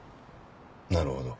なるほど。